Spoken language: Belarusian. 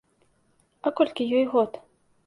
А колькі ёй год?